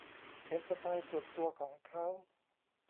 เป็นสไตล์ส่วนตัวของเค้า